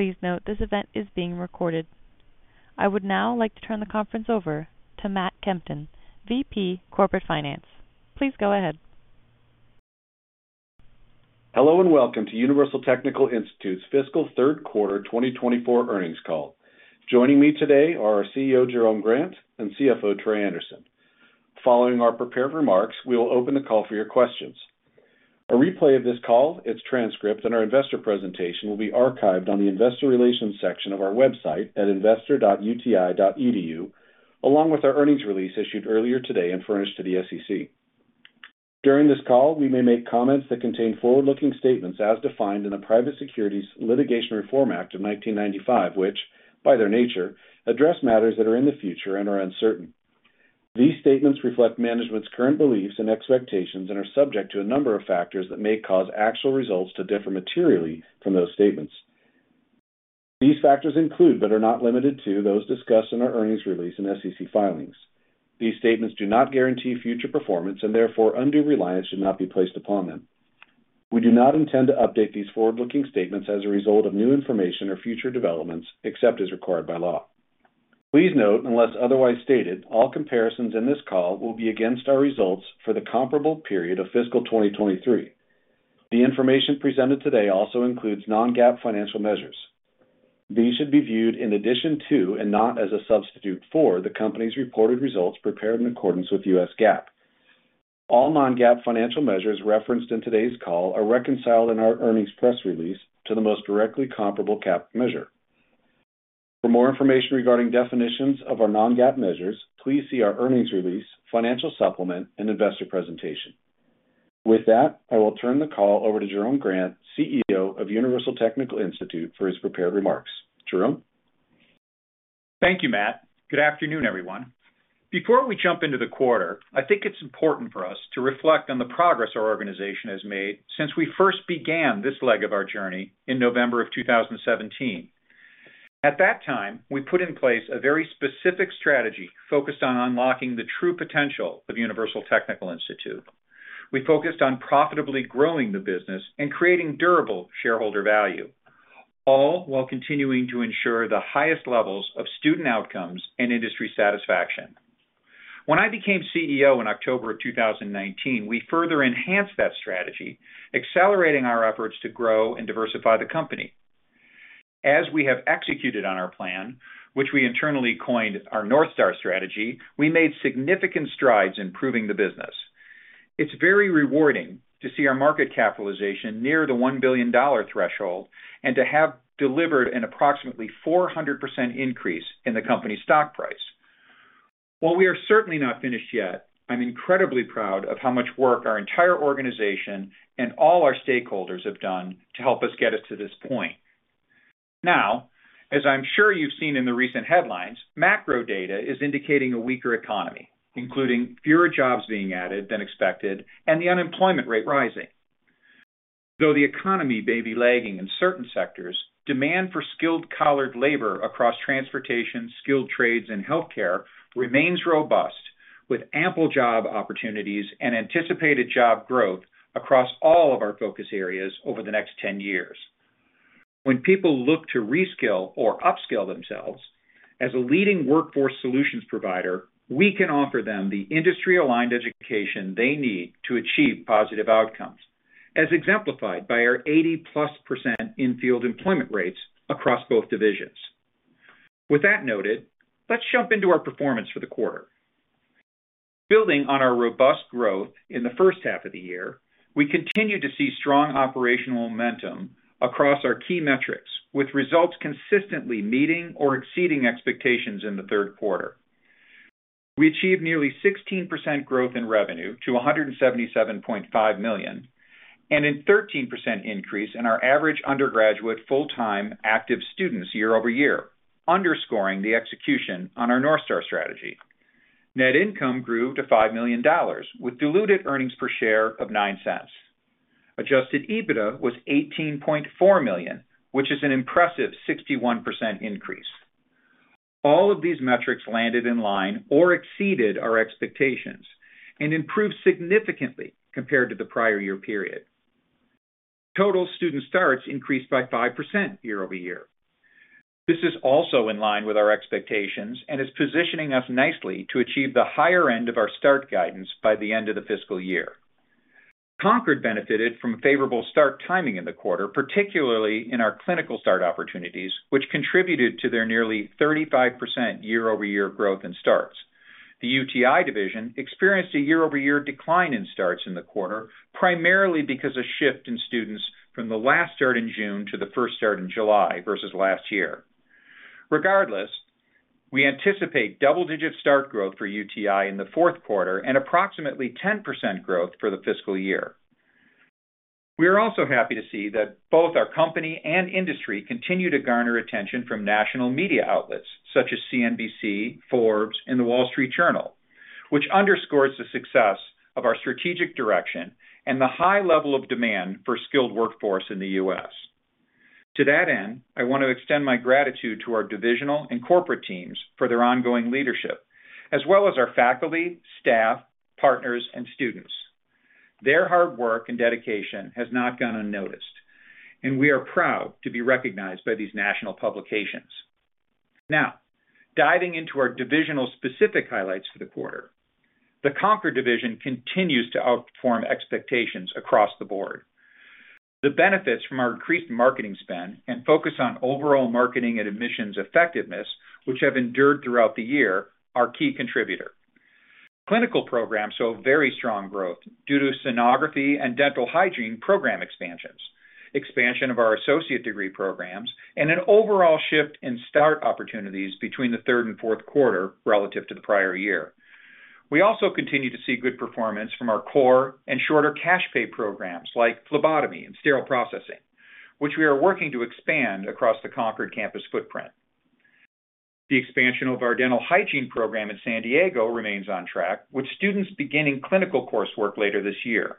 Please note, this event is being recorded. I would now like to turn the conference over to Matt Kempton, VP Corporate Finance. Please go ahead. Hello, and welcome to Universal Technical Institute's fiscal third quarter 2024 earnings call. Joining me today are our CEO, Jerome Grant, and CFO, Troy Anderson. Following our prepared remarks, we will open the call for your questions. A replay of this call, its transcript, and our investor presentation will be archived on the Investor Relations section of our website at investor.uti.edu, along with our earnings release issued earlier today and furnished to the SEC. During this call, we may make comments that contain forward-looking statements as defined in the Private Securities Litigation Reform Act of 1995, which, by their nature, address matters that are in the future and are uncertain. These statements reflect management's current beliefs and expectations and are subject to a number of factors that may cause actual results to differ materially from those statements. These factors include, but are not limited to, those discussed in our earnings release and SEC filings. These statements do not guarantee future performance, and therefore, undue reliance should not be placed upon them. We do not intend to update these forward-looking statements as a result of new information or future developments, except as required by law. Please note, unless otherwise stated, all comparisons in this call will be against our results for the comparable period of fiscal 2023. The information presented today also includes non-GAAP financial measures. These should be viewed in addition to, and not as a substitute for, the company's reported results prepared in accordance with U.S. GAAP. All non-GAAP financial measures referenced in today's call are reconciled in our earnings press release to the most directly comparable GAAP measure. For more information regarding definitions of our non-GAAP measures, please see our earnings release, financial supplement, and investor presentation. With that, I will turn the call over to Jerome Grant, CEO of Universal Technical Institute, for his prepared remarks. Jerome? Thank you, Matt. Good afternoon, everyone. Before we jump into the quarter, I think it's important for us to reflect on the progress our organization has made since we first began this leg of our journey in November 2017. At that time, we put in place a very specific strategy focused on unlocking the true potential of Universal Technical Institute. We focused on profitably growing the business and creating durable shareholder value, all while continuing to ensure the highest levels of student outcomes and industry satisfaction. When I became CEO in October 2019, we further enhanced that strategy, accelerating our efforts to grow and diversify the company. As we have executed on our plan, which we internally coined our North Star strategy, we made significant strides in improving the business. It's very rewarding to see our market capitalization near the $1 billion threshold and to have delivered an approximately 400% increase in the company's stock price. While we are certainly not finished yet, I'm incredibly proud of how much work our entire organization and all our stakeholders have done to help us get us to this point. Now, as I'm sure you've seen in the recent headlines, macro data is indicating a weaker economy, including fewer jobs being added than expected and the unemployment rate rising. Though the economy may be lagging in certain sectors, demand for skilled blue-collar labor across transportation, skilled trades, and healthcare remains robust, with ample job opportunities and anticipated job growth across all of our focus areas over the next 10 years. When people look to reskill or upskill themselves, as a leading workforce solutions provider, we can offer them the industry-aligned education they need to achieve positive outcomes, as exemplified by our 80+% in-field employment rates across both divisions. With that noted, let's jump into our performance for the quarter. Building on our robust growth in the first half of the year, we continue to see strong operational momentum across our key metrics, with results consistently meeting or exceeding expectations in the third quarter. We achieved nearly 16% growth in revenue to $177.5 million, and a 13% increase in our average undergraduate full-time active students year-over-year, underscoring the execution on our North Star strategy. Net income grew to $5 million, with diluted earnings per share of $0.09. Adjusted EBITDA was $18.4 million, which is an impressive 61% increase. All of these metrics landed in line or exceeded our expectations and improved significantly compared to the prior year period. Total student starts increased by 5% year-over-year. This is also in line with our expectations and is positioning us nicely to achieve the higher end of our start guidance by the end of the fiscal year. Concorde benefited from favorable start timing in the quarter, particularly in our clinical start opportunities, which contributed to their nearly 35% year-over-year growth in starts. The UTI division experienced a year-over-year decline in starts in the quarter, primarily because of a shift in students from the last start in June to the first start in July versus last year. Regardless, we anticipate double-digit start growth for UTI in the fourth quarter and approximately 10% growth for the fiscal year. We are also happy to see that both our company and industry continue to garner attention from national media outlets such as CNBC, Forbes, and The Wall Street Journal, which underscores the success of our strategic direction and the high level of demand for skilled workforce in the U.S. To that end, I want to extend my gratitude to our divisional and corporate teams for their ongoing leadership, as well as our faculty, staff, partners, and students. Their hard work and dedication has not gone unnoticed, and we are proud to be recognized by these national publications. Now, diving into our division-specific highlights for the quarter, the Concorde division continues to outperform expectations across the board. The benefits from our increased marketing spend and focus on overall marketing and admissions effectiveness, which have endured throughout the year, are a key contributor. Clinical programs saw very strong growth due to sonography and dental hygiene program expansions, expansion of our associate degree programs, and an overall shift in start opportunities between the third and fourth quarter relative to the prior year. We also continue to see good performance from our core and shorter cash pay programs like phlebotomy and sterile processing, which we are working to expand across the Concorde campus footprint. The expansion of our dental hygiene program in San Diego remains on track, with students beginning clinical coursework later this year.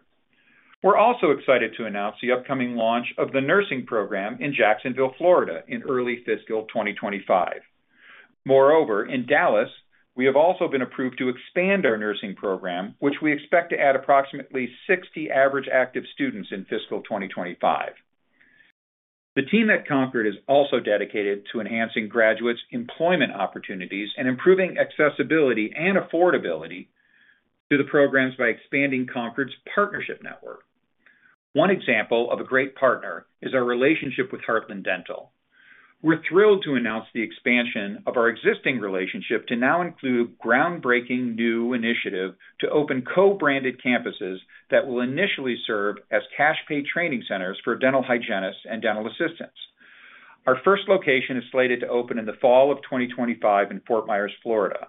We're also excited to announce the upcoming launch of the nursing program in Jacksonville, Florida, in early fiscal 2025. Moreover, in Dallas, we have also been approved to expand our nursing program, which we expect to add approximately 60 average active students in fiscal 2025. The team at Concorde is also dedicated to enhancing graduates' employment opportunities and improving accessibility and affordability to the programs by expanding Concorde's partnership network. One example of a great partner is our relationship with Heartland Dental. We're thrilled to announce the expansion of our existing relationship to now include groundbreaking new initiative to open co-branded campuses that will initially serve as cash pay training centers for dental hygienists and dental assistants. Our first location is slated to open in the fall of 2025 in Fort Myers, Florida.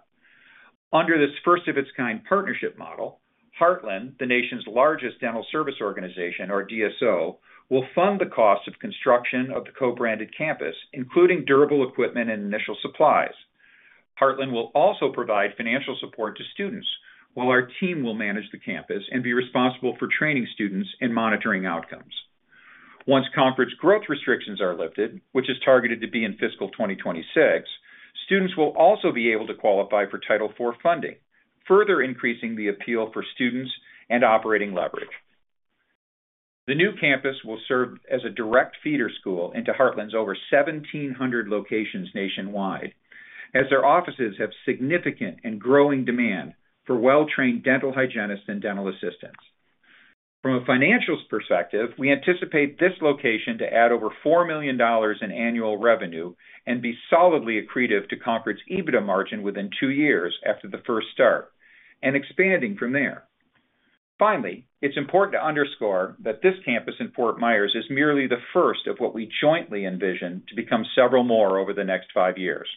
Under this first-of-its-kind partnership model, Heartland, the nation's largest dental service organization, or DSO, will fund the cost of construction of the co-branded campus, including durable equipment and initial supplies. Heartland will also provide financial support to students, while our team will manage the campus and be responsible for training students and monitoring outcomes. Once Concorde's growth restrictions are lifted, which is targeted to be in fiscal 2026, students will also be able to qualify for Title IV funding, further increasing the appeal for students and operating leverage. The new campus will serve as a direct feeder school into Heartland's over 1,700 locations nationwide, as their offices have significant and growing demand for well-trained dental hygienists and dental assistants. From a financials perspective, we anticipate this location to add over $4 million in annual revenue and be solidly accretive to Concorde's EBITDA margin within two years after the first start, and expanding from there. Finally, it's important to underscore that this campus in Fort Myers is merely the first of what we jointly envision to become several more over the next five years.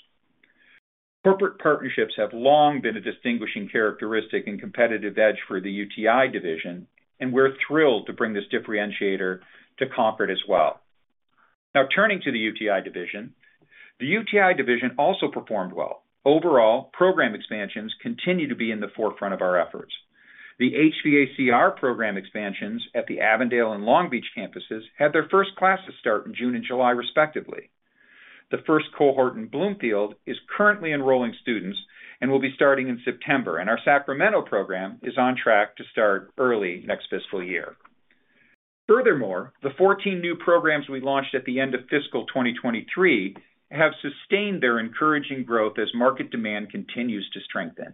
Corporate partnerships have long been a distinguishing characteristic and competitive edge for the UTI division, and we're thrilled to bring this differentiator to Concorde as well. Now, turning to the UTI division. The UTI division also performed well. Overall, program expansions continue to be in the forefront of our efforts. The HVACR program expansions at the Avondale and Long Beach campuses had their first classes start in June and July, respectively. The first cohort in Bloomfield is currently enrolling students and will be starting in September, and our Sacramento program is on track to start early next fiscal year. Furthermore, the 14 new programs we launched at the end of fiscal 2023 have sustained their encouraging growth as market demand continues to strengthen.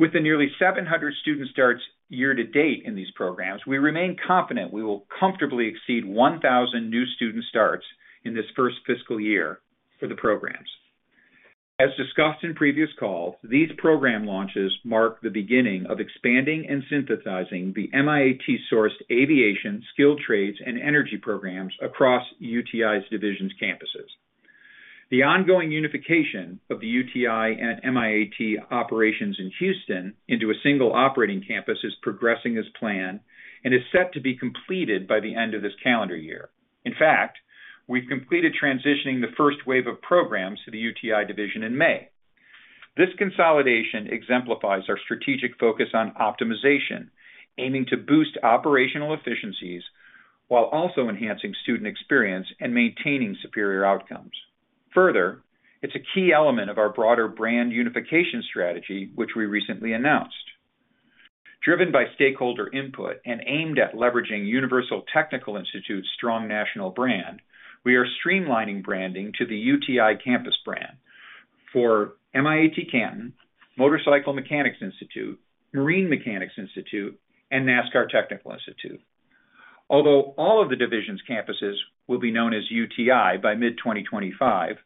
With the nearly 700 student starts year to date in these programs, we remain confident we will comfortably exceed 1,000 new student starts in this first fiscal year for the programs. As discussed in previous calls, these program launches mark the beginning of expanding and synthesizing the MIAT-sourced aviation, skilled trades, and energy programs across UTI's division's campuses. The ongoing unification of the UTI and MIAT operations in Houston into a single operating campus is progressing as planned and is set to be completed by the end of this calendar year. In fact, we've completed transitioning the first wave of programs to the UTI division in May. This consolidation exemplifies our strategic focus on optimization, aiming to boost operational efficiencies while also enhancing student experience and maintaining superior outcomes. Further, it's a key element of our broader brand unification strategy, which we recently announced. Driven by stakeholder input and aimed at leveraging Universal Technical Institute's strong national brand, we are streamlining branding to the UTI campus brand for MIAT Canton, Motorcycle Mechanics Institute, Marine Mechanics Institute, and NASCAR Technical Institute. Although all of the division's campuses will be known as UTI by mid-2025,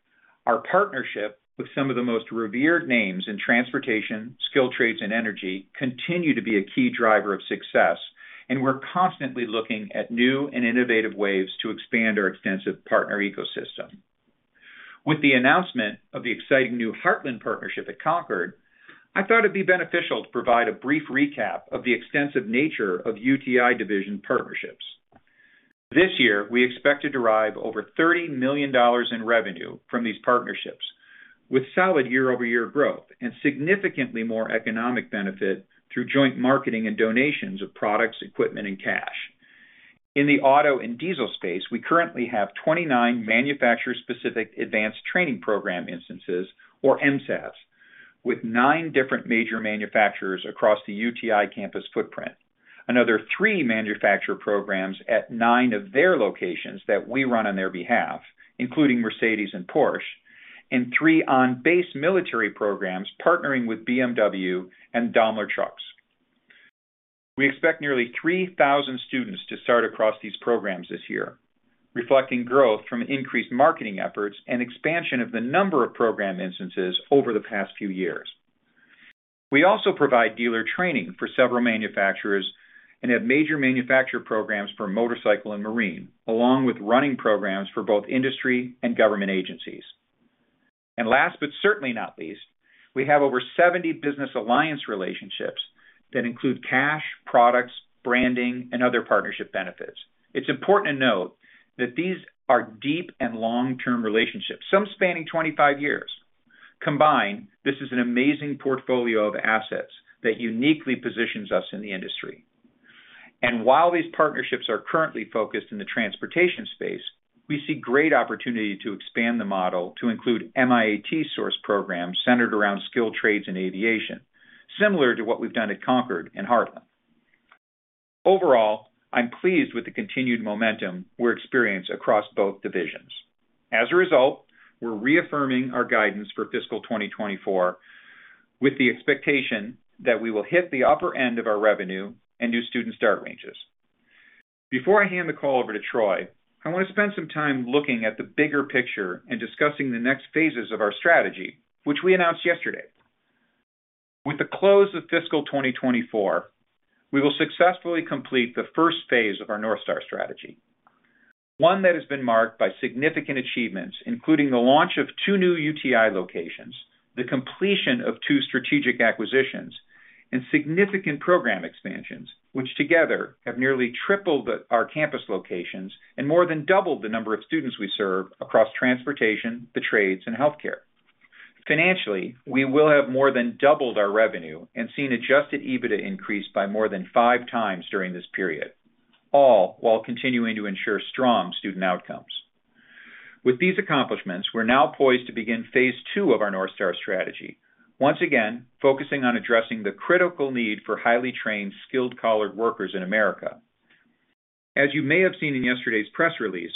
our partnership with some of the most revered names in transportation, skilled trades, and energy continue to be a key driver of success, and we're constantly looking at new and innovative ways to expand our extensive partner ecosystem. With the announcement of the exciting new Heartland partnership at Concorde, I thought it'd be beneficial to provide a brief recap of the extensive nature of UTI division partnerships. This year, we expect to derive over $30 million in revenue from these partnerships, with solid year-over-year growth and significantly more economic benefit through joint marketing and donations of products, equipment, and cash. In the auto and diesel space, we currently have 29 manufacturer-specific advanced training program instances, or MSATs, with 9 different major manufacturers across the UTI campus footprint. Another 3 manufacturer programs at 9 of their locations that we run on their behalf, including Mercedes and Porsche, and 3 on-base military programs partnering with BMW and Daimler Trucks. We expect nearly 3,000 students to start across these programs this year, reflecting growth from increased marketing efforts and expansion of the number of program instances over the past few years. We also provide dealer training for several manufacturers and have major manufacturer programs for motorcycle and marine, along with running programs for both industry and government agencies. And last, but certainly not least, we have over 70 business alliance relationships that include cash, products, branding, and other partnership benefits. It's important to note that these are deep and long-term relationships, some spanning 25 years. Combined, this is an amazing portfolio of assets that uniquely positions us in the industry. And while these partnerships are currently focused in the transportation space, we see great opportunity to expand the model to include MIAT source programs centered around skilled trades and aviation, similar to what we've done at Concorde and Heartland. Overall, I'm pleased with the continued momentum we're experienced across both divisions. As a result, we're reaffirming our guidance for fiscal 2024, with the expectation that we will hit the upper end of our revenue and new student start ranges. Before I hand the call over to Troy, I wanna spend some time looking at the bigger picture and discussing the next phases of our strategy, which we announced yesterday. With the close of fiscal 2024, we will successfully complete the first phase of our North Star strategy, one that has been marked by significant achievements, including the launch of two new UTI locations, the completion of two strategic acquisitions, and significant program expansions, which together have nearly tripled our campus locations and more than doubled the number of students we serve across transportation, the trades, and healthcare. Financially, we will have more than doubled our revenue and seen adjusted EBITDA increase by more than 5 times during this period, all while continuing to ensure strong student outcomes. With these accomplishments, we're now poised to begin phase two of our North Star strategy, once again, focusing on addressing the critical need for highly trained, blue-collar workers in America. As you may have seen in yesterday's press release,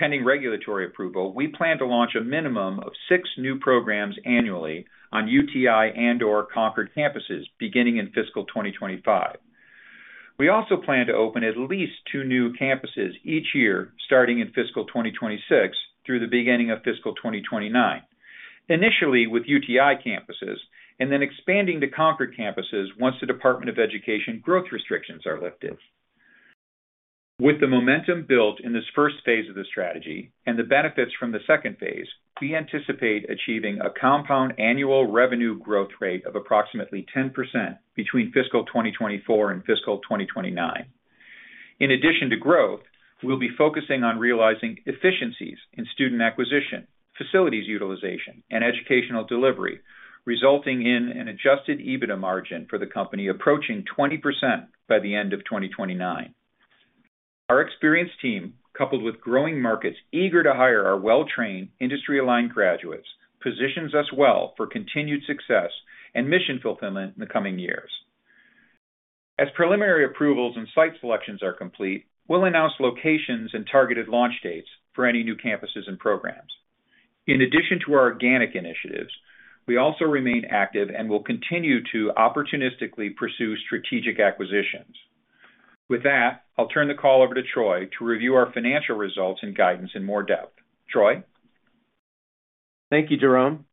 pending regulatory approval, we plan to launch a minimum of 6 new programs annually on UTI and/or Concorde campuses, beginning in fiscal 2025. We also plan to open at least 2 new campuses each year, starting in fiscal 2026 through the beginning of fiscal 2029, initially with UTI campuses, and then expanding to Concorde campuses once the Department of Education growth restrictions are lifted. With the momentum built in this first phase of the strategy and the benefits from the second phase, we anticipate achieving a compound annual revenue growth rate of approximately 10% between fiscal 2024 and fiscal 2029. In addition to growth, we'll be focusing on realizing efficiencies in student acquisition, facilities utilization, and educational delivery, resulting in an adjusted EBITDA margin for the company approaching 20% by the end of 2029. Our experienced team, coupled with growing markets eager to hire our well-trained, industry-aligned graduates, positions us well for continued success and mission fulfillment in the coming years. As preliminary approvals and site selections are complete, we'll announce locations and targeted launch dates for any new campuses and programs. In addition to our organic initiatives, we also remain active and will continue to opportunistically pursue strategic acquisitions. With that, I'll turn the call over to Troy to review our financial results and guidance in more depth. Troy? Thank you, Jerome.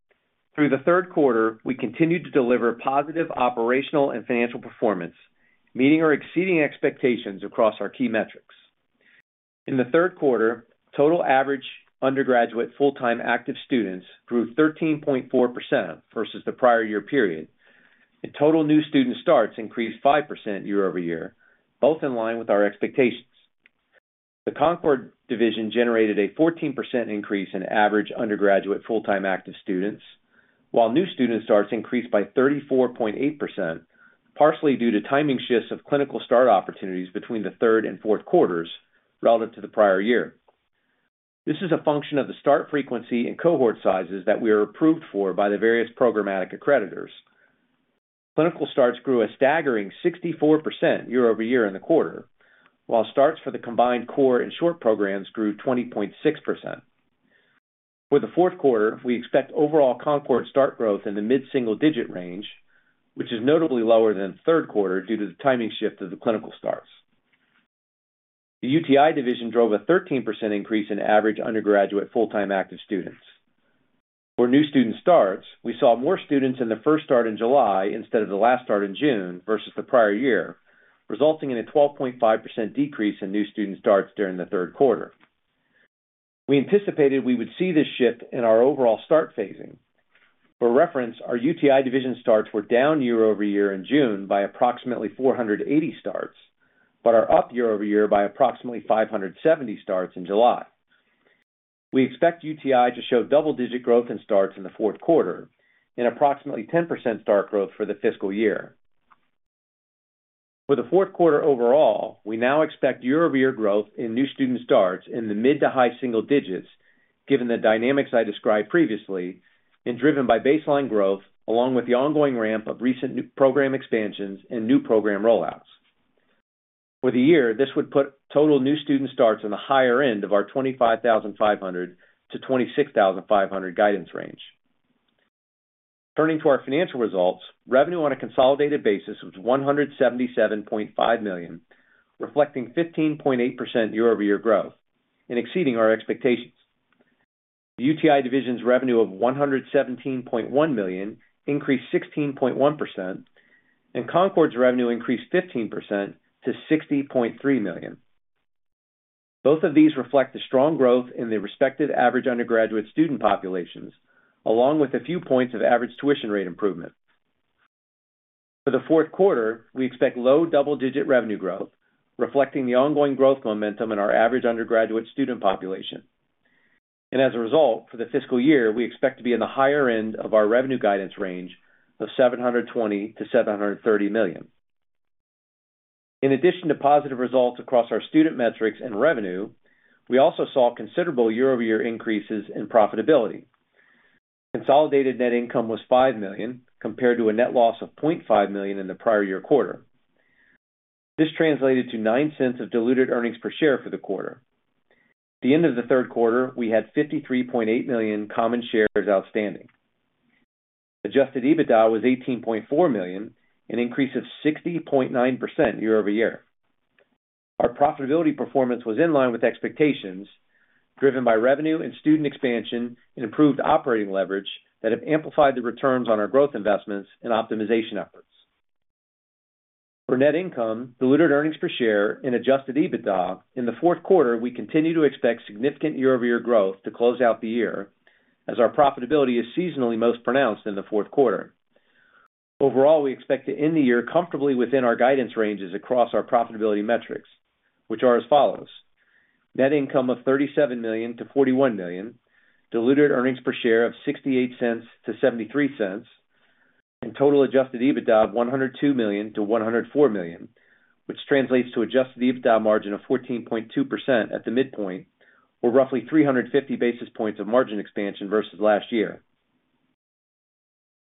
Through the third quarter, we continued to deliver positive operational and financial performance, meeting or exceeding expectations across our key metrics. In the third quarter, total average undergraduate full-time active students grew 13.4% versus the prior year period, and total new student starts increased 5% year-over-year, both in line with our expectations. The Concorde division generated a 14% increase in average undergraduate full-time active students, while new student starts increased by 34.8%, partially due to timing shifts of clinical start opportunities between the third and fourth quarters relative to the prior year. This is a function of the start frequency and cohort sizes that we are approved for by the various programmatic accreditors. Clinical starts grew a staggering 64% year-over-year in the quarter, while starts for the combined core and short programs grew 20.6%. For the fourth quarter, we expect overall Concorde start growth in the mid-single-digit range, which is notably lower than the third quarter due to the timing shift of the clinical starts. The UTI division drove a 13% increase in average undergraduate full-time active students. For new student starts, we saw more students in the first start in July instead of the last start in June versus the prior year, resulting in a 12.5% decrease in new student starts during the third quarter. We anticipated we would see this shift in our overall start phasing. For reference, our UTI division starts were down year-over-year in June by approximately 480 starts, but are up year-over-year by approximately 570 starts in July. We expect UTI to show double-digit growth in starts in the fourth quarter and approximately 10% start growth for the fiscal year. For the fourth quarter overall, we now expect year-over-year growth in new student starts in the mid- to high-single digits, given the dynamics I described previously, and driven by baseline growth, along with the ongoing ramp of recent new program expansions and new program rollouts. For the year, this would put total new student starts on the higher end of our 25,500-26,500 guidance range. Turning to our financial results, revenue on a consolidated basis was $177.5 million, reflecting 15.8% year-over-year growth and exceeding our expectations. UTI division's revenue of $117.1 million increased 16.1%, and Concorde's revenue increased 15% to $60.3 million. Both of these reflect the strong growth in the respective average undergraduate student populations, along with a few points of average tuition rate improvement. For the fourth quarter, we expect low double-digit revenue growth, reflecting the ongoing growth momentum in our average undergraduate student population. As a result, for the fiscal year, we expect to be in the higher end of our revenue guidance range of $720 million-$730 million. In addition to positive results across our student metrics and revenue, we also saw considerable year-over-year increases in profitability. Consolidated net income was $5 million, compared to a net loss of $0.5 million in the prior year quarter. This translates to $0.09 of diluted earnings per share for the quarter. At the end of the third quarter, we had 53.8 million common shares outstanding. Adjusted EBITDA was $18.4 million, an increase of 60.9% year-over-year. Our profitability performance was in line with expectations, driven by revenue and student expansion, and improved operating leverage that have amplified the returns on our growth investments and optimization efforts. For net income, diluted earnings per share, and adjusted EBITDA, in the fourth quarter, we continue to expect significant year-over-year growth to close out the year, as our profitability is seasonally most pronounced in the fourth quarter. Overall, we expect to end the year comfortably within our guidance ranges across our profitability metrics, which are as follows: net income of $37 million-$41 million, diluted earnings per share of $0.68-$0.73, and total adjusted EBITDA of $102 million-$104 million, which translates to adjusted EBITDA margin of 14.2% at the midpoint, or roughly 350 basis points of margin expansion versus last year.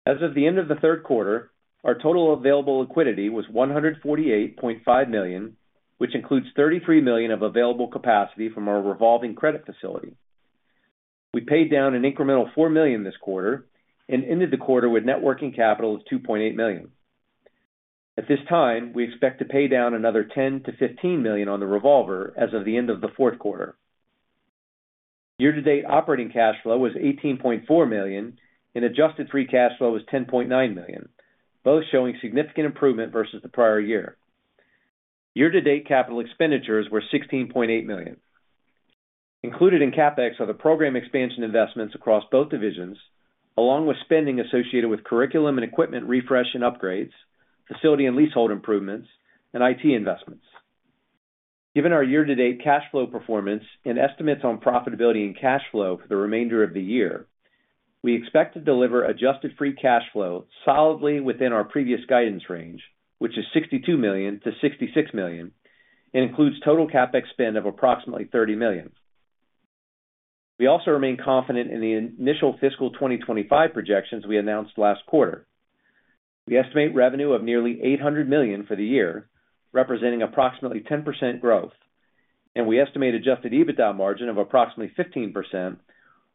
As of the end of the third quarter, our total available liquidity was $148.5 million, which includes $33 million of available capacity from our revolving credit facility. We paid down an incremental $4 million this quarter and ended the quarter with net working capital of $2.8 million. At this time, we expect to pay down another $10 million-$15 million on the revolver as of the end of the fourth quarter. Year-to-date operating cash flow was $18.4 million, and adjusted free cash flow was $10.9 million, both showing significant improvement versus the prior year. Year-to-date capital expenditures were $16.8 million. Included in CapEx are the program expansion investments across both divisions, along with spending associated with curriculum and equipment refresh and upgrades, facility and leasehold improvements, and IT investments. Given our year-to-date cash flow performance and estimates on profitability and cash flow for the remainder of the year, we expect to deliver adjusted free cash flow solidly within our previous guidance range, which is $62 million-$66 million, and includes total CapEx spend of approximately $30 million. We also remain confident in the initial fiscal 2025 projections we announced last quarter. We estimate revenue of nearly $800 million for the year, representing approximately 10% growth, and we estimate adjusted EBITDA margin of approximately 15%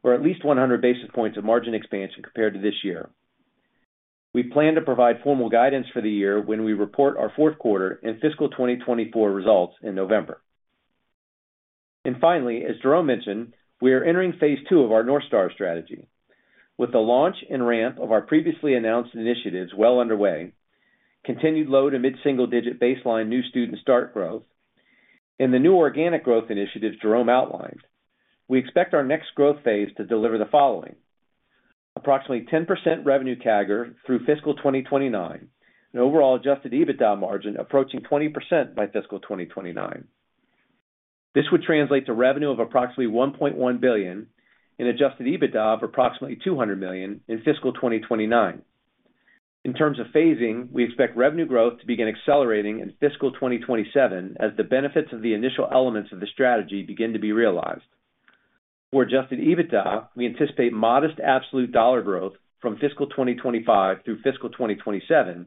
or at least 100 basis points of margin expansion compared to this year. We plan to provide formal guidance for the year when we report our fourth quarter and fiscal 2024 results in November. Finally, as Jerome mentioned, we are entering phase two of our North Star strategy. With the launch and ramp of our previously announced initiatives well underway, continued low to mid-single-digit baseline new student start growth, and the new organic growth initiatives Jerome outlined, we expect our next growth phase to deliver the following: approximately 10% revenue CAGR through fiscal 2029, and overall Adjusted EBITDA margin approaching 20% by fiscal 2029. This would translate to revenue of approximately $1.1 billion and Adjusted EBITDA of approximately $200 million in fiscal 2029. In terms of phasing, we expect revenue growth to begin accelerating in fiscal 2027 as the benefits of the initial elements of the strategy begin to be realized. For Adjusted EBITDA, we anticipate modest absolute dollar growth from fiscal 2025 through fiscal 2027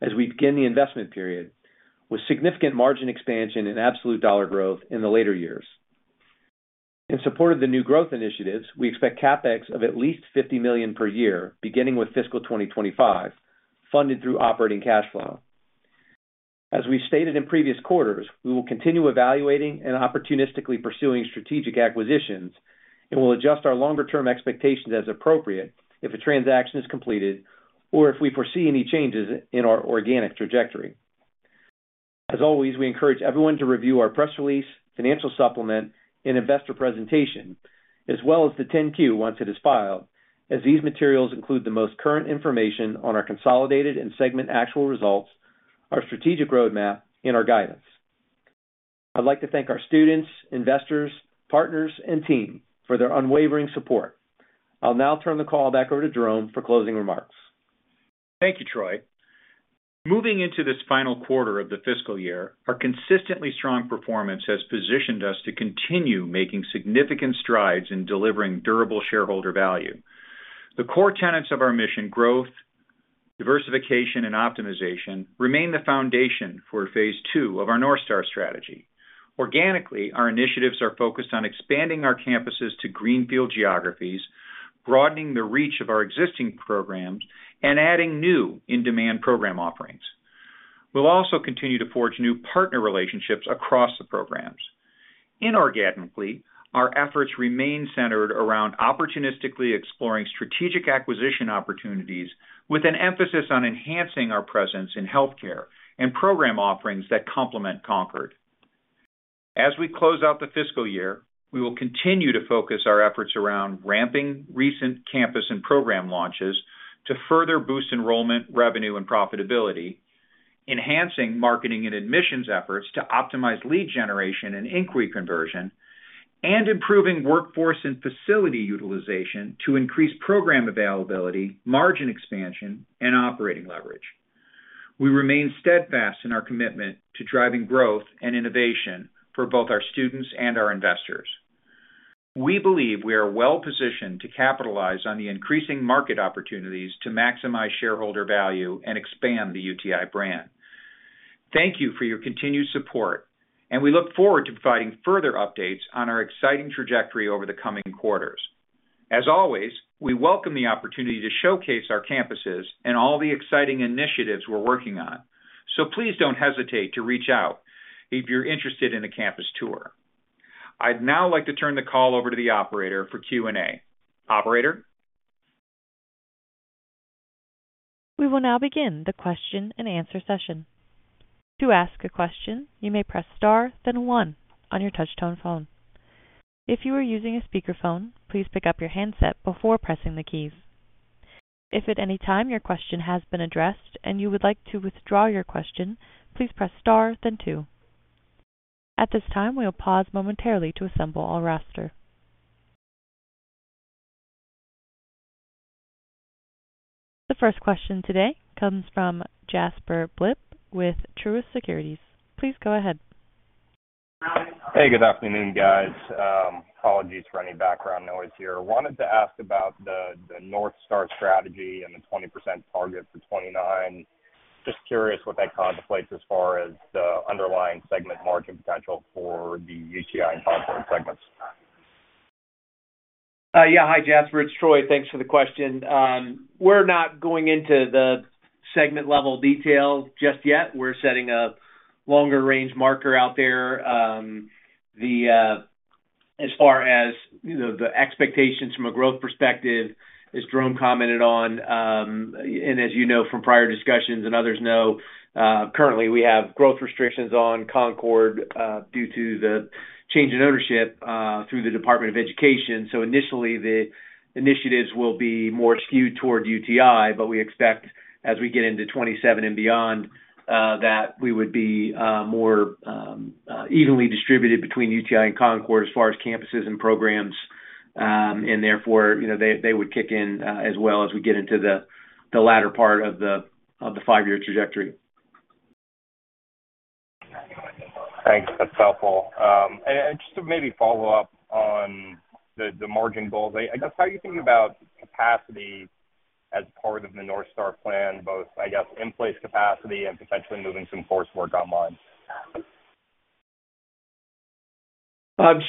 as we begin the investment period, with significant margin expansion and absolute dollar growth in the later years. In support of the new growth initiatives, we expect CapEx of at least $50 million per year, beginning with fiscal 2025, funded through operating cash flow. As we've stated in previous quarters, we will continue evaluating and opportunistically pursuing strategic acquisitions, and we'll adjust our longer-term expectations as appropriate if a transaction is completed or if we foresee any changes in our organic trajectory. As always, we encourage everyone to review our press release, financial supplement, and investor presentation, as well as the 10-Q once it is filed, as these materials include the most current information on our consolidated and segment actual results, our strategic roadmap, and our guidance. I'd like to thank our students, investors, partners, and team for their unwavering support. I'll now turn the call back over to Jerome for closing remarks. Thank you, Troy. Moving into this final quarter of the fiscal year, our consistently strong performance has positioned us to continue making significant strides in delivering durable shareholder value. The core tenets of our mission, growth, diversification, and optimization, remain the foundation for phase two of our North Star strategy. Organically, our initiatives are focused on expanding our campuses to greenfield geographies, broadening the reach of our existing programs, and adding new in-demand program offerings. We'll also continue to forge new partner relationships across the programs. Inorganically, our efforts remain centered around opportunistically exploring strategic acquisition opportunities, with an emphasis on enhancing our presence in healthcare and program offerings that complement Concorde. As we close out the fiscal year, we will continue to focus our efforts around ramping recent campus and program launches to further boost enrollment, revenue, and profitability, enhancing marketing and admissions efforts to optimize lead generation and inquiry conversion, and improving workforce and facility utilization to increase program availability, margin expansion, and operating leverage. We remain steadfast in our commitment to driving growth and innovation for both our students and our investors. We believe we are well-positioned to capitalize on the increasing market opportunities to maximize shareholder value and expand the UTI brand. Thank you for your continued support, and we look forward to providing further updates on our exciting trajectory over the coming quarters. As always, we welcome the opportunity to showcase our campuses and all the exciting initiatives we're working on, so please don't hesitate to reach out if you're interested in a campus tour. I'd now like to turn the call over to the operator for Q&A. Operator? We will now begin the question-and-answer session. To ask a question, you may press star, then 1 on your touchtone phone. If you are using a speakerphone, please pick up your handset before pressing the keys. If at any time your question has been addressed and you would like to withdraw your question, please press star then 2. At this time, we will pause momentarily to assemble our roster. The first question today comes from Jasper Bibb with Truist Securities. Please go ahead. Hey, good afternoon, guys. Apologies for any background noise here. Wanted to ask about the North Star strategy and the 20% target for 2029. Just curious what that contemplates as far as the underlying segment margin potential for the UTI and Concorde segments? Yeah. Hi, Jasper. It's Troy. Thanks for the question. We're not going into the segment-level detail just yet. We're setting a longer range marker out there. As far as, you know, the expectations from a growth perspective, as Jerome commented on, and as you know from prior discussions and others know, currently, we have growth restrictions on Concorde, due to the change in ownership, through the Department of Education. So initially, the initiatives will be more skewed toward UTI, but we expect as we get into 2027 and beyond, that we would be more evenly distributed between UTI and Concorde as far as campuses and programs. Therefore, you know, they would kick in as well as we get into the latter part of the five-year trajectory. Thanks. That's helpful. And just to maybe follow up on the margin goals, I guess, how you think about capacity as part of the North Star plan, both, I guess, in-place capacity and potentially moving some coursework online?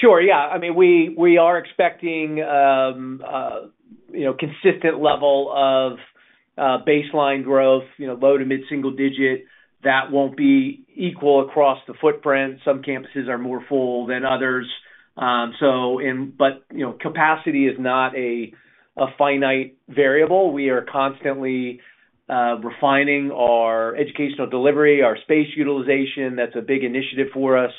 Sure. Yeah. I mean, we are expecting, you know, consistent level of baseline growth, you know, low to mid-single digit, that won't be equal across the footprint. Some campuses are more full than others. But, you know, capacity is not a finite variable. We are constantly refining our educational delivery, our space utilization. That's a big initiative for us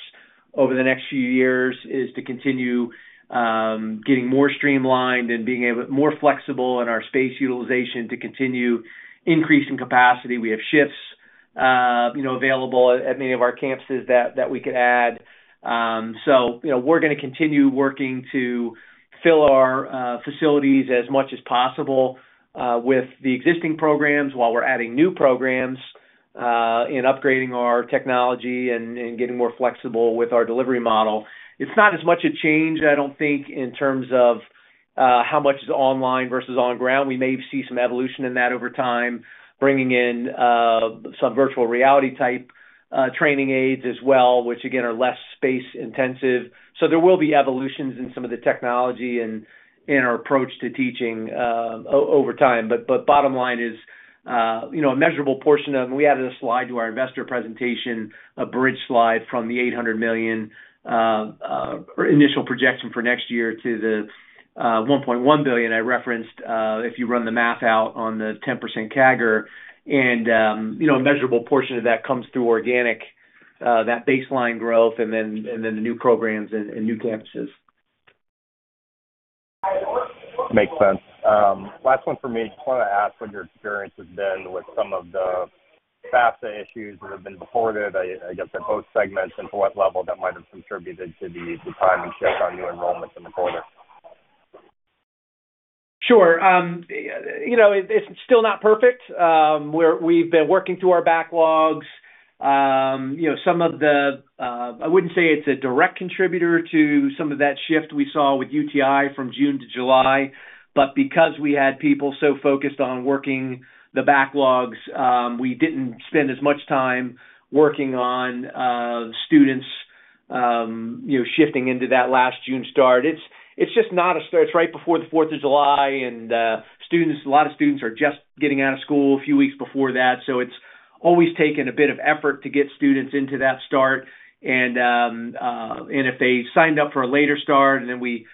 over the next few years, is to continue getting more streamlined and being able more flexible in our space utilization to continue increasing capacity. We have shifts, you know, available at many of our campuses that we could add. So, we're gonna continue working to fill our facilities as much as possible with the existing programs while we're adding new programs and upgrading our technology and getting more flexible with our delivery model. It's not as much a change, I don't think, in terms of how much is online versus on ground. We may see some evolution in that over time, bringing in some virtual reality type training aids as well, which again, are less space intensive. So there will be evolutions in some of the technology and in our approach to teaching over time. But bottom line is, you know, a measurable portion of—we added a slide to our investor presentation, a bridge slide from the $800 million initial projection for next year to the $1.1 billion I referenced, if you run the math out on the 10% CAGR. And, you know, a measurable portion of that comes through organic, that baseline growth and then the new programs and new campuses. Makes sense. Last one for me. Just want to ask what your experience has been with some of the FAFSA issues that have been reported, I guess, in both segments, and to what level that might have contributed to the timing shift on new enrollments in the quarter? Sure. It's still not perfect. We've been working through our backlogs. You know, some of the... I wouldn't say it's a direct contributor to some of that shift we saw with UTI from June to July, but because we had people so focused on working the backlogs, we didn't spend as much time working on students, you know, shifting into that last June start. It's just not a start. It's right before the Fourth of July, and students, a lot of students are just getting out of school a few weeks before that. So it's always taken a bit of effort to get students into that start. If they signed up for a later start, and then we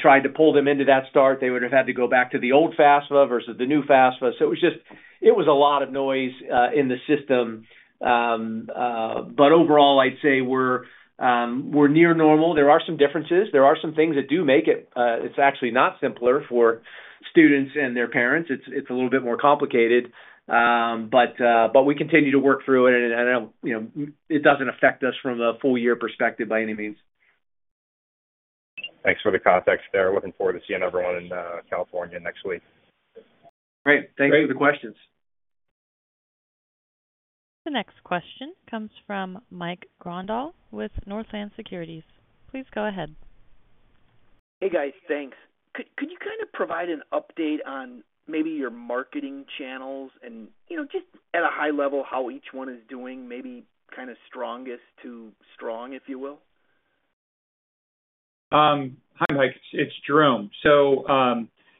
tried to pull them into that start, they would have had to go back to the old FAFSA versus the new FAFSA. So it was just a lot of noise in the system. But overall, I'd say we're near normal. There are some differences. There are some things that do make it; it's actually not simpler for students and their parents. It's a little bit more complicated. But we continue to work through it, and you know, it doesn't affect us from a full year perspective by any means. Thanks for the context there. Looking forward to seeing everyone in California next week. Great. Thanks for the questions. The next question comes from Mike Grondahl with Northland Securities. Please go ahead. Hey, guys. Thanks. Could you kind of provide an update on maybe your marketing channels and, you know, just at a high level, how each one is doing, maybe kind of strongest to strong, if you will? Hi, Mike, it's Jerome. So,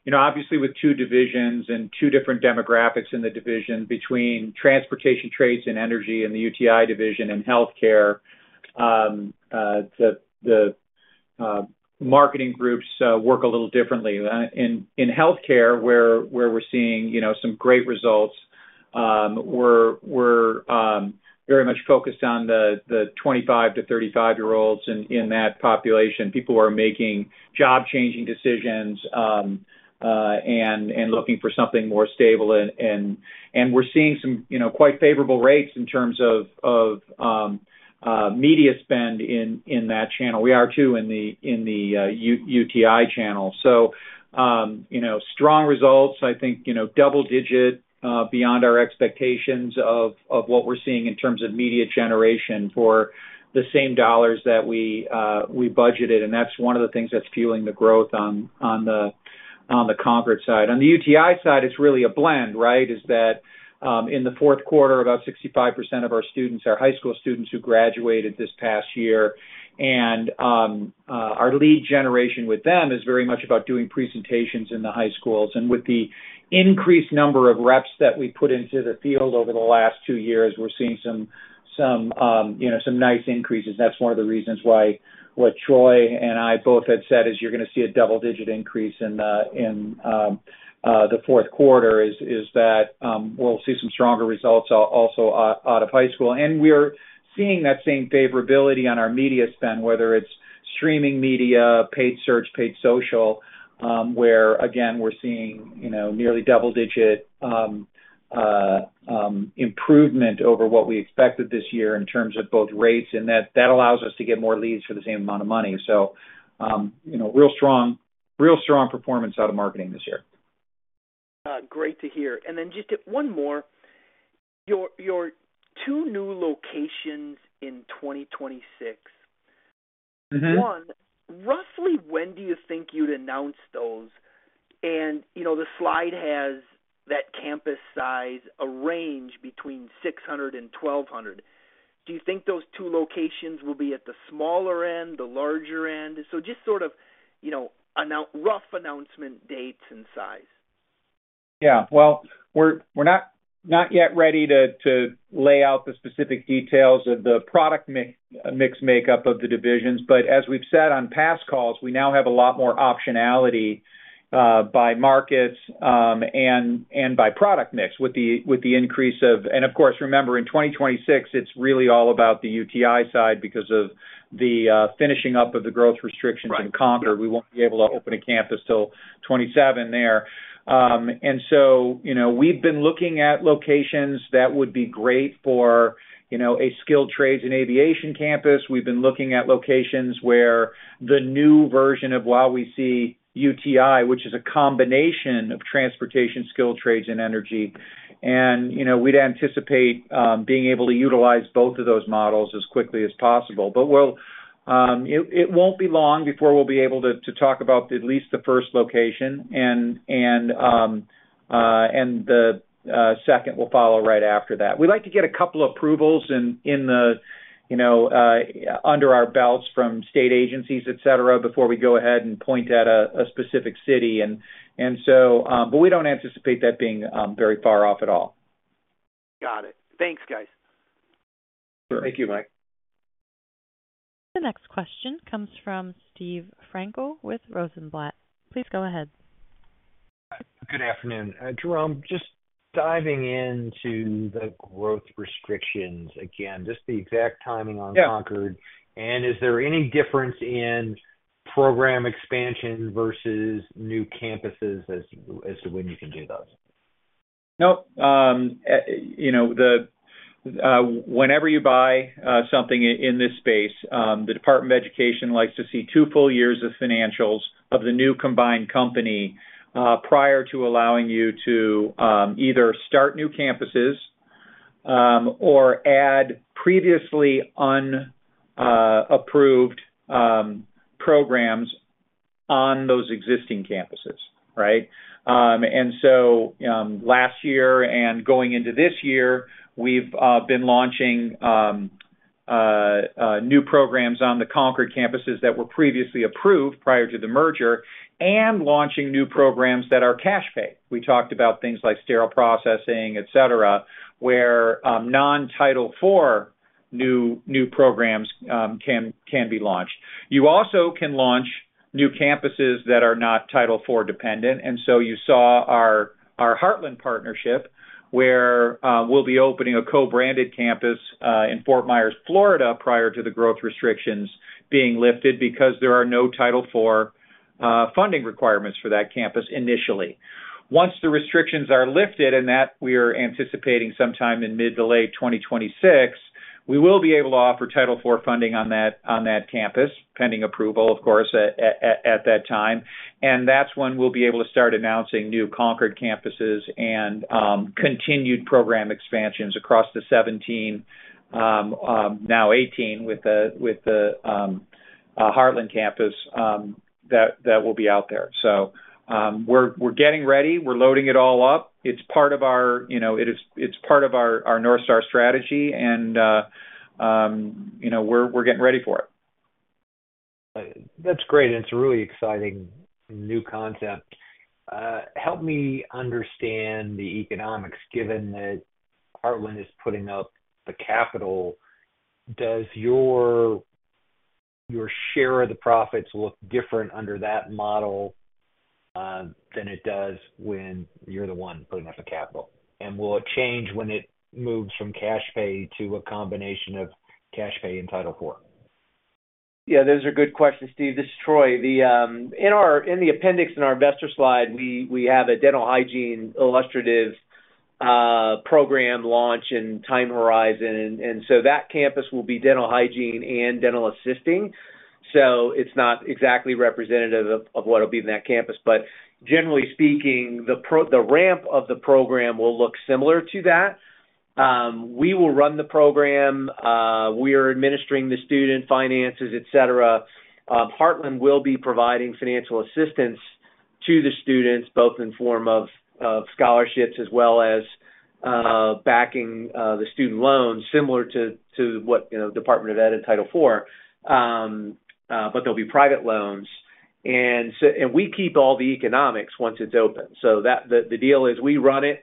you know, obviously, with two divisions and two different demographics in the division between transportation, trades, and energy, and the UTI division and healthcare, the marketing groups work a little differently. In healthcare, where we're seeing, you know, some great results, we're very much focused on the 25-35-year-olds in that population, people who are making job-changing decisions, and we're seeing some, you know, quite favorable rates in terms of media spend in that channel. We are, too, in the UTI channel. So, strong results, I think, you know, double digit beyond our expectations of what we're seeing in terms of media generation for the same dollars that we budgeted, and that's one of the things that's fueling the growth on the Concorde side. On the UTI side, it's really a blend, right? In the fourth quarter, about 65% of our students are high school students who graduated this past year, and our lead generation with them is very much about doing presentations in the high schools. And with the increased number of reps that we put into the field over the last two years, we're seeing some nice increases. That's one of the reasons why what Troy and I both had said is, you're gonna see a double-digit increase in the fourth quarter, is that we'll see some stronger results also out of high school. And we're seeing that same favorability on our media spend, whether it's streaming media, paid search, paid social, where again, we're seeing, you know, nearly double-digit improvement over what we expected this year in terms of both rates, and that allows us to get more leads for the same amount of money. So, you know, real strong, real strong performance out of marketing this year. Great to hear. And then just one more. Your two new locations in 2026 One, roughly, when do you think you'd announce those? And, you know, the slide has that campus size, a range between 600 and 1200. Do you think those two locations will be at the smaller end, the larger end? So just sort of, you know, rough announcement dates and size. Yeah. Well, we're not yet ready to lay out the specific details of the product mix makeup of the divisions, but as we've said on past calls, we now have a lot more optionality by markets, and by product mix with the increase. Of course, remember, in 2026, it's really all about the UTI side because of the finishing up of the growth restrictions- Right. in Concorde. We won't be able to open a campus till 2027 there. So, we've been looking at locations that would be great for, you know, a skilled trades and aviation campus. We've been looking at locations where the new version of, you know, a UTI, which is a combination of transportation, skilled trades, and energy. And, we'd anticipate being able to utilize both of those models as quickly as possible. But it won't be long before we'll be able to talk about at least the first location, and the second will follow right after that. We'd like to get a couple approvals in the, under our belts from state agencies, et cetera, before we go ahead and point at a specific city. But we don't anticipate that being very far off at all. Got it. Thanks, guys. Sure. Thank you, Mike. The next question comes from Steve Frankel with Rosenblatt. Please go ahead.... Good afternoon. Jerome, just diving into the growth restrictions again, just the exact timing on Concorde. Yeah. Is there any difference in program expansion versus new campuses as to when you can do those? Nope. You know, whenever you buy something in this space, the Department of Education likes to see two full years of financials of the new combined company prior to allowing you to either start new campuses or add previously unapproved programs on those existing campuses, right? And so, last year and going into this year, we've been launching new programs on the Concorde campuses that were previously approved prior to the merger, and launching new programs that are cash pay. We talked about things like sterile processing, et cetera, where non-Title IV new programs can be launched. You also can launch new campuses that are not Title IV dependent, and so you saw our Heartland partnership, where we'll be opening a co-branded campus in Fort Myers, Florida, prior to the growth restrictions being lifted, because there are no Title IV funding requirements for that campus initially. Once the restrictions are lifted, and that we are anticipating sometime in mid to late 2026, we will be able to offer Title IV funding on that campus, pending approval, of course, at that time. And that's when we'll be able to start announcing new Concorde campuses and continued program expansions across the 17, now 18, with the Heartland campus that will be out there. So, we're getting ready. We're loading it all up. It's part of our, it's part of our North Star strategy, and, we're getting ready for it. That's great, and it's a really exciting new concept. Help me understand the economics. Given that Heartland is putting up the capital, does your share of the profits look different under that model than it does when you're the one putting up the capital? And will it change when it moves from cash pay to a combination of cash pay and Title IV? Yeah, those are good questions, Steve. This is Troy. In our, in the appendix in our investor slide, we, we have a dental hygiene illustrative program launch and time horizon, and, and so that campus will be dental hygiene and dental assisting, so it's not exactly representative of, of what will be in that campus. But generally speaking, the ramp of the program will look similar to that. We will run the program. We are administering the student finances, et cetera. Heartland will be providing financial assistance to the students, both in form of, of scholarships, as well as, backing, the student loans, similar to, to what, you know, Department of Ed and Title IV, but they'll be private loans. We keep all the economics once it's open. So the deal is we run it,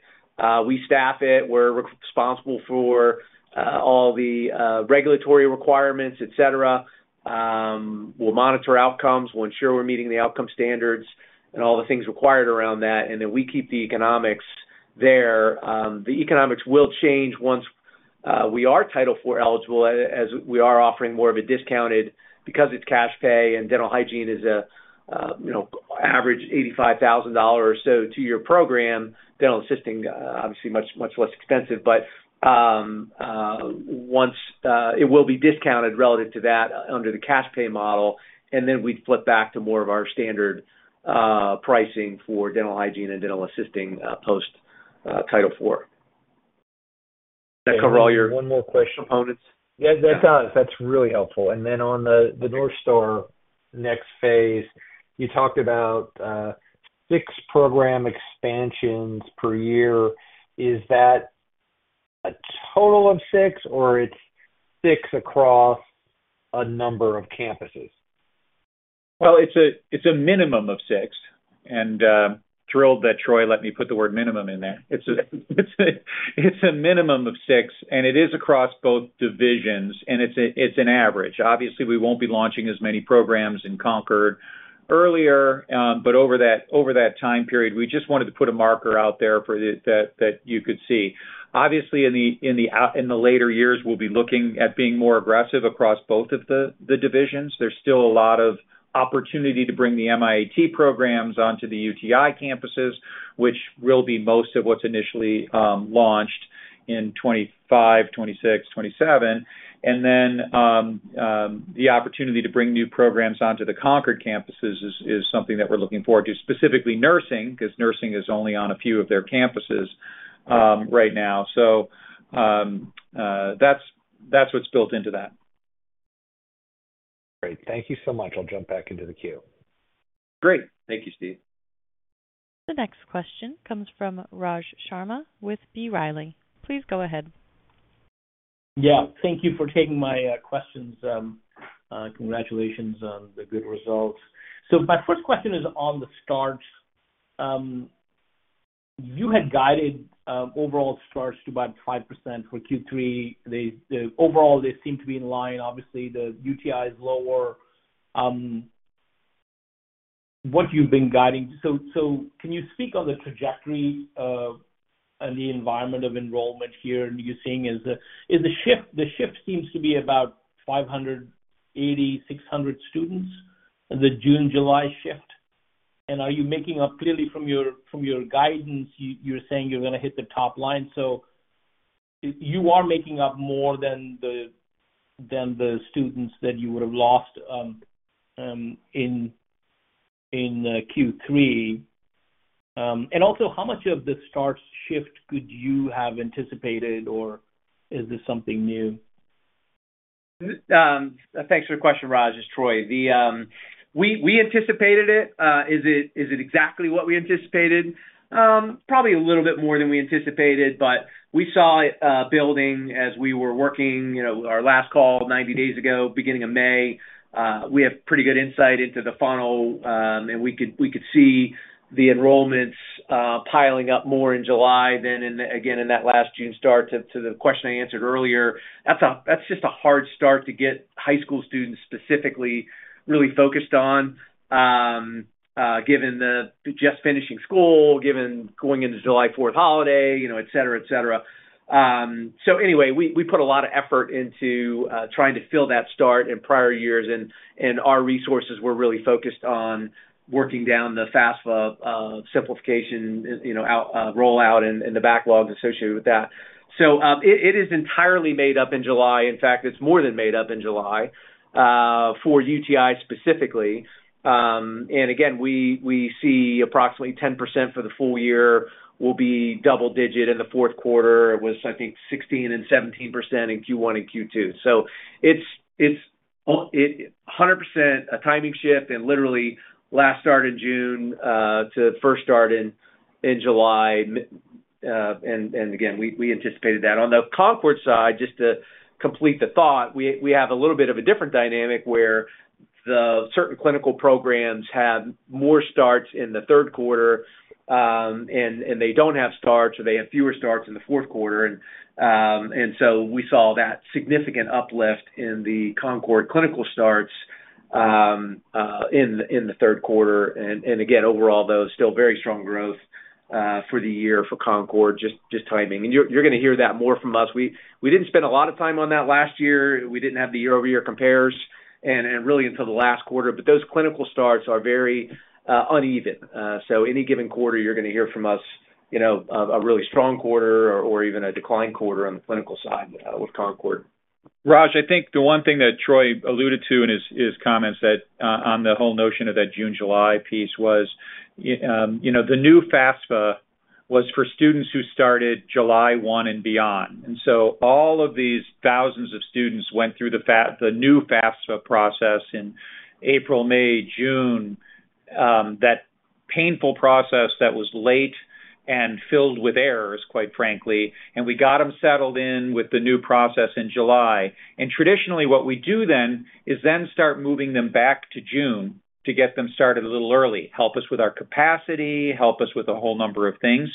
we staff it, we're responsible for all the regulatory requirements, et cetera. We'll monitor outcomes. We'll ensure we're meeting the outcome standards and all the things required around that, and then we keep the economics there. The economics will change once we are Title IV eligible, as we are offering more of a discounted, because it's cash pay, and Dental Hygiene is a, you know, average $85,000 or so two-year program. Dental Assisting, obviously much, much less expensive, but, once... It will be discounted relative to that under the cash pay model, and then we'd flip back to more of our standard pricing for Dental Hygiene and Dental Assisting, post Title IV. Does that cover all your- One more question. components? Yeah, that does. That's really helpful. And then on the North Star next phase, you talked about six program expansions per year. Is that a total of six, or it's six across a number of campuses? Well, it's a minimum of six, and thrilled that Troy let me put the word minimum in there. It's a minimum of six, and it is across both divisions, and it's an average. Obviously, we won't be launching as many programs in Concorde earlier, but over that time period, we just wanted to put a marker out there for it, that you could see. Obviously, in the later years, we'll be looking at being more aggressive across both of the divisions. There's still a lot of opportunity to bring the MIAT programs onto the UTI campuses, which will be most of what's initially launched in 2025, 2026, 2027. The opportunity to bring new programs onto the Concorde campuses is something that we're looking forward to, specifically nursing, because nursing is only on a few of their campuses right now. That's what's built into that. Great. Thank you so much. I'll jump back into the queue. Great. Thank you, Steve. The next question comes from Raj Sharma with B. Riley. Please go ahead. Yeah, thank you for taking my questions. Congratulations on the good results. So my first question is on the starts. You had guided overall starts to about 5% for Q3. The overall, they seem to be in line. Obviously, the UTI is lower. what you've been guiding. So can you speak on the trajectory of, and the environment of enrollment here, and what you're seeing is the shift. The shift seems to be about 580-600 students in the June, July shift? Are you making up clearly from your, from your guidance, you're saying you're gonna hit the top line. So you are making up more than the students that you would have lost in Q3. Also, how much of the start shift could you have anticipated, or is this something new? Thanks for the question, Raj. It's Troy. We anticipated it. Is it exactly what we anticipated? Probably a little bit more than we anticipated, but we saw it building as we were working, you know, our last call 90 days ago, beginning of May. We have pretty good insight into the funnel, and we could see the enrollments piling up more in July than in, again, in that last June start. To the question I answered earlier, that's just a hard start to get high school students specifically really focused on, given the just finishing school, given going into July fourth holiday, you know, et cetera, et cetera. So anyway, we put a lot of effort into trying to fill that start in prior years, and our resources were really focused on working down the FAFSA simplification, you know, rollout and the backlogs associated with that. So it is entirely made up in July. In fact, it's more than made up in July for UTI specifically. And again, we see approximately 10% for the full year will be double digit. In the fourth quarter, it was, I think, 16% and 17% in Q1 and Q2. So it's 100% a timing shift and literally last start in June to first start in July. And again, we anticipated that. On the Concorde side, just to complete the thought, we have a little bit of a different dynamic, where the certain clinical programs had more starts in the third quarter, and they don't have starts, or they have fewer starts in the fourth quarter. And so we saw that significant uplift in the Concorde clinical starts in the third quarter. And again, overall, though, still very strong growth for the year for Concorde, just timing. And you're gonna hear that more from us. We didn't spend a lot of time on that last year. We didn't have the year-over-year compares, and really until the last quarter. But those clinical starts are very uneven. Any given quarter, you're gonna hear from us, you know, a really strong quarter or even a decline quarter on the clinical side with Concorde. Raj, I think the one thing that Troy alluded to in his comments that, on the whole notion of that June/July piece was, you know, the new FAFSA was for students who started July one and beyond. And so all of these thousands of students went through the new FAFSA process in April, May, June. That painful process that was late and filled with errors, quite frankly, and we got them settled in with the new process in July. And traditionally, what we do then is start moving them back to June to get them started a little early, help us with our capacity, help us with a whole number of things.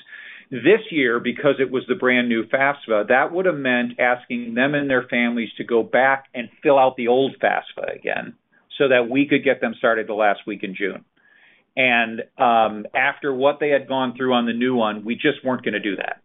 This year, because it was the brand-new FAFSA, that would've meant asking them and their families to go back and fill out the old FAFSA again, so that we could get them started the last week in June. And, after what they had gone through on the new one, we just weren't gonna do that.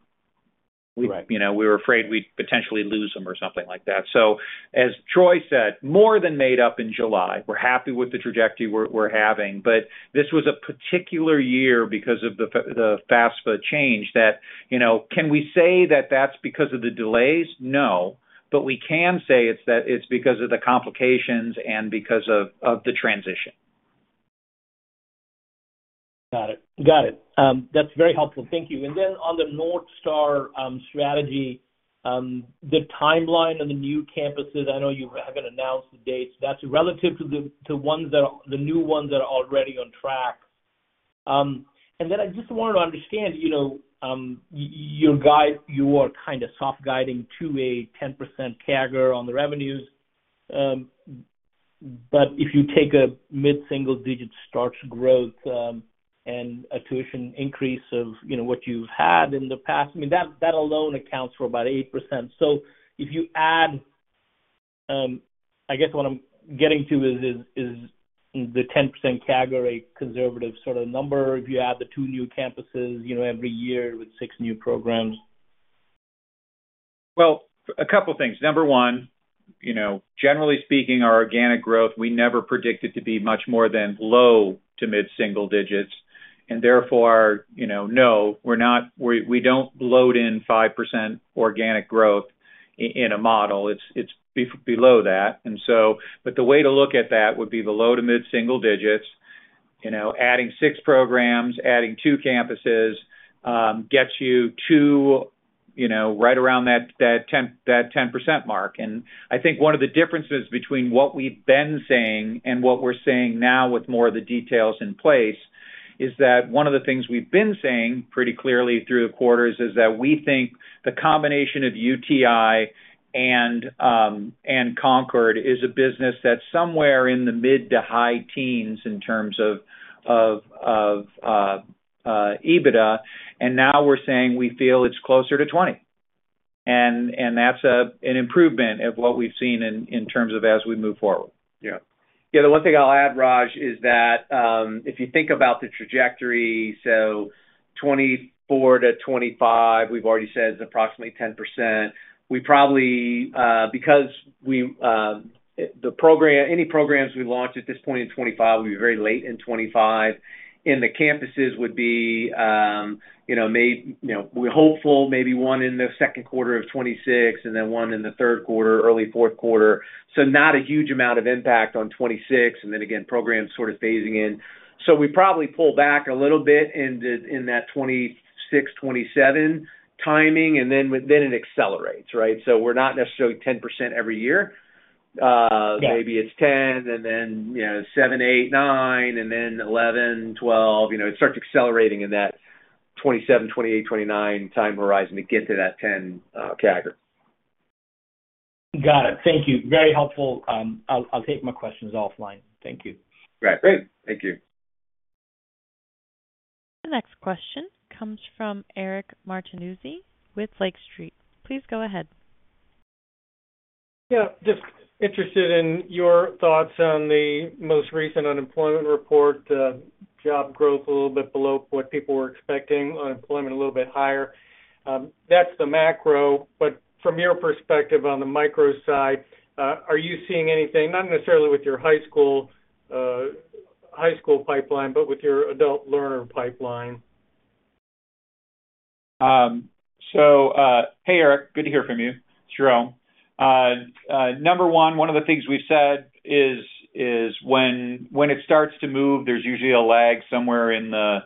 Right. We were afraid we'd potentially lose them or something like that. So as Troy said, more than made up in July. We're happy with the trajectory we're having, but this was a particular year because of the FAFSA change that, you know, can we say that that's because of the delays? No. But we can say it's that—it's because of the complications and because of the transition. Got it. That's very helpful. Thank you. And then on the North Star strategy, the timeline on the new campuses, I know you haven't announced the dates. That's relative to the ones that are already on track. And then I just wanted to understand, you know, your guide. You are kind of soft guiding to a 10% CAGR on the revenues. But if you take a mid-single digit starts growth, and a tuition increase of, you know, what you've had in the past, I mean, that alone accounts for about 8%. So if you add, I guess what I'm getting to is the 10% CAGR a conservative sort of number, if you add the 2 new campuses, every year with 6 new programs? Well, a couple things. Number one, you know, generally speaking, our organic growth, we never predict it to be much more than low to mid single digits, and therefore, you know, no, we're not—we, we don't load in 5% organic growth in a model. It's, it's below that, and so. But the way to look at that would be the low to mid single digits, you know, adding 6 programs, adding 2 campuses, gets you to, you know, right around that, that 10% mark. I think one of the differences between what we've been saying and what we're saying now with more of the details in place is that one of the things we've been saying pretty clearly through the quarters is that we think the combination of UTI and Concorde is a business that's somewhere in the mid to high teens in terms of EBITDA, and now we're saying we feel it's closer to 20. And that's an improvement of what we've seen in terms of as we move forward. Yeah. Yeah, the one thing I'll add, Raj, is that, if you think about the trajectory, so 2024 to 2025, we've already said is approximately 10%. We probably, because we, the program—any programs we launch at this point in 2025, will be very late in 2025, and the campuses would be, you know, may, you know, we're hopeful maybe one in the second quarter of 2026 and then one in the third quarter, early fourth quarter. So not a huge amount of impact on 2026, and then again, programs sort of phasing in. So we probably pull back a little bit in the, in that 2026, 2027 timing, and then, then it accelerates, right? So we're not necessarily 10% every year. Yeah. Maybe it's 10, and then, you know, 7, 8, 9, and then 11, 12. You know, it starts accelerating in that 27, 28, 29 time horizon to get to that 10 CAGR. Got it. Thank you. Very helpful. I'll take my questions offline. Thank you. Great. Great. Thank you. The next question comes from Eric Martinuzzi with Lake Street. Please go ahead. Yeah, just interested in your thoughts on the most recent unemployment report. Job growth a little bit below what people were expecting, unemployment a little bit higher. That's the macro, but from your perspective, on the micro side, are you seeing anything, not necessarily with your high school pipeline, but with your adult learner pipeline? Hey, Eric, good to hear from you. Jerome. Number one, one of the things we've said is when it starts to move, there's usually a lag somewhere in the,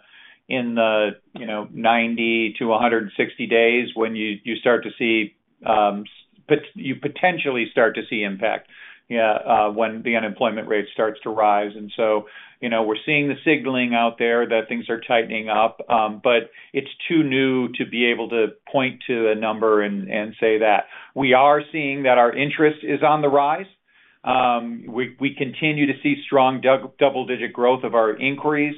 you know, 90 to 160 days when you start to see potentially start to see impact when the unemployment rate starts to rise. And so, you know, we're seeing the signaling out there that things are tightening up, but it's too new to be able to point to a number and say that. We are seeing that our interest is on the rise. We continue to see strong double-digit growth of our inquiries,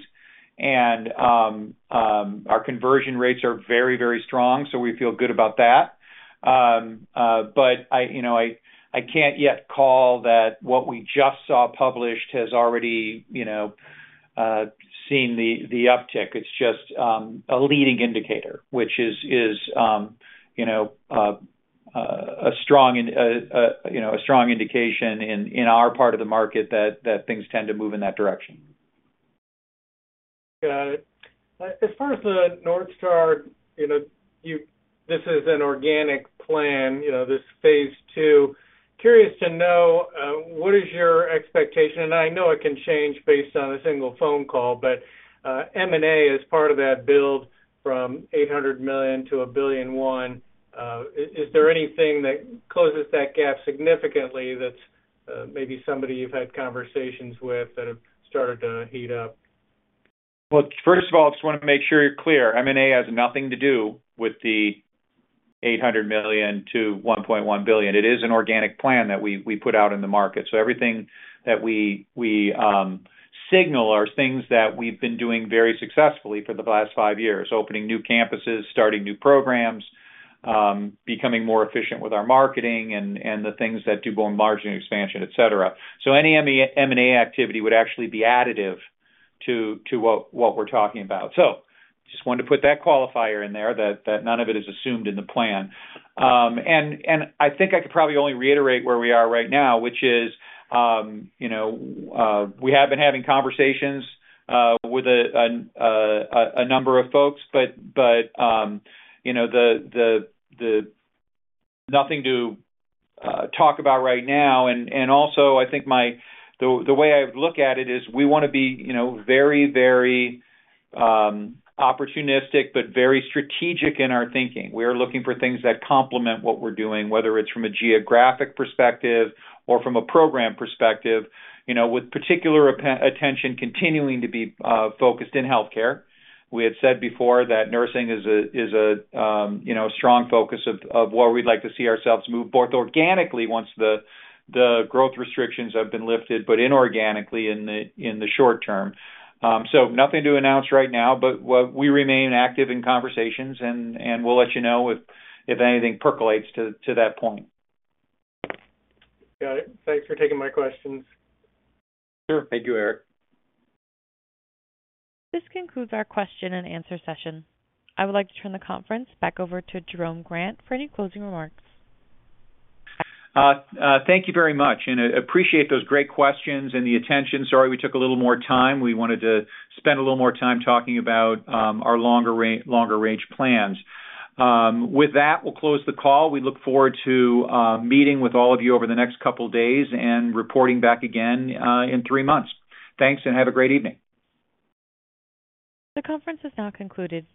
and our conversion rates are very, very strong, so we feel good about that. But, you know, I can't yet call that what we just saw published has already, you know, seen the uptick. It's just a leading indicator, which is, you know, a strong indication in our part of the market that things tend to move in that direction. Got it. As far as the North Star, this is an organic plan, you know, this phase two. Curious to know, what is your expectation, and I know it can change based on a single phone call, but, M&A is part of that build from $800 million to $1.1 billion. Is there anything that closes that gap significantly that's maybe somebody you've had conversations with that have started to heat up? Well, first of all, I just wanna make sure you're clear. M&A has nothing to do with the $800 million-$1.1 billion. It is an organic plan that we, we put out in the market. So everything that we, we, signal are things that we've been doing very successfully for the last 5 years, opening new campuses, starting new programs, becoming more efficient with our marketing and, and the things that do margin expansion, et cetera. So any M&A, M&A activity would actually be additive to, to what, what we're talking about. So just wanted to put that qualifier in there, that, that none of it is assumed in the plan. I think I could probably only reiterate where we are right now, which is, you know, we have been having conversations with a number of folks, but, you know, nothing to talk about right now. Also, I think the way I look at it is we wanna be, you know, very, very opportunistic, but very strategic in our thinking. We are looking for things that complement what we're doing, whether it's from a geographic perspective or from a program perspective, you know, with particular attention continuing to be focused in healthcare. We had said before that nursing is a you know strong focus of where we'd like to see ourselves move both organically once the growth restrictions have been lifted, but inorganically in the short term. So nothing to announce right now, but well, we remain active in conversations, and we'll let you know if anything percolates to that point. Got it. Thanks for taking my questions. Sure. Thank you, Eric. This concludes our question and answer session. I would like to turn the conference back over to Jerome Grant for any closing remarks. Thank you very much, and appreciate those great questions and the attention. Sorry, we took a little more time. We wanted to spend a little more time talking about our longer-range plans. With that, we'll close the call. We look forward to meeting with all of you over the next couple of days and reporting back again in three months. Thanks, and have a great evening. The conference is now concluded.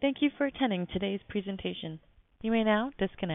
Thank you for attending today's presentation. You may now disconnect.